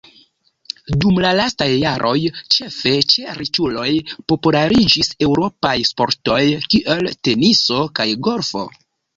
Dum la lastaj jaroj, ĉefe ĉe riĉuloj populariĝis eŭropaj sportoj kiel teniso kaj golfo.